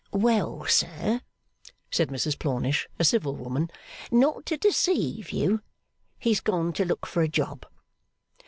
'Well, sir,' said Mrs Plornish, a civil woman, 'not to deceive you, he's gone to look for a job.